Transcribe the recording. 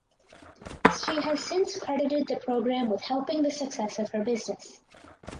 She has since credited the program with helping the success of her business.